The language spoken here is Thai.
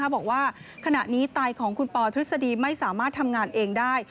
บอกว่าขณะนี้ไตของคุณปอทฤษฎีไม่สามารถทำงานเองได้